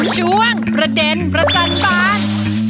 ช่วงประเด็นประจันบาล